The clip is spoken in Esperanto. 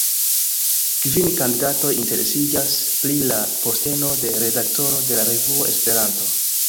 Kvin kandidatoj interesiĝas pri la posteno de redaktoro de la revuo Esperanto.